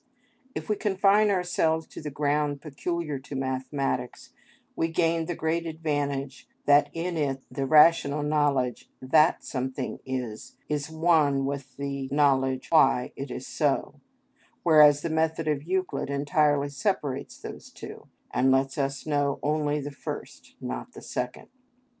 If we confine ourselves to the ground peculiar to mathematics, we gain the great advantage that in it the rational knowledge that something is, is one with the knowledge why it is so, whereas the method of Euclid entirely separates these two, and lets us know only the first, not the second.